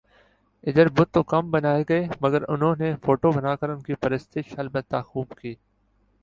ادھر بت تو کم بنائےگئے مگر انہوں نے فوٹو بنا کر انکی پرستش البتہ خو ب کی